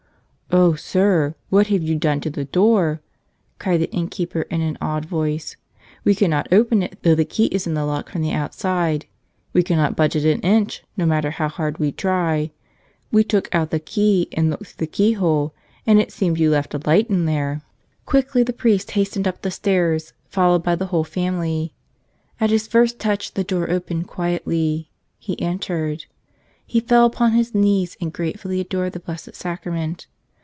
"Oh, sir, what have you done to the door?,, cried the innkeeper in an awed voice. "We cannot open it, though the key is in the lock from the outside. We cannot budge it an inch, no matter how hard we try. We took out the key and looked through the keyhole, and it seems you left a light in there." 135 "Tell Another!" Quickly the priest hastened up the stairs, followed by the whole family. At his first touch the door opened quietly. He entered. He fell upon his knees and grate¬ fully adored the Blessed Sacrament.